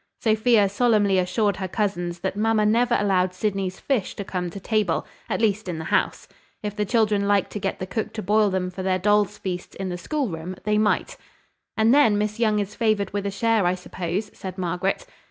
Sophia solemnly assured her cousins that mamma never allowed Sydney's fish to come to table, at least in the house. If the children liked to get the cook to boil them for their dolls' feasts in the schoolroom, they might. "And then Miss Young is favoured with a share, I suppose?" said Margaret.